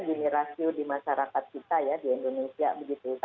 ini rasio di masyarakat kita ya di indonesia